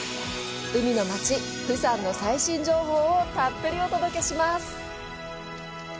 海の街、釜山の最新情報をたっぷりお届けします！